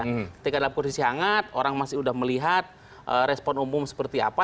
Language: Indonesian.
ketika dalam kondisi hangat orang masih sudah melihat respon umum seperti apa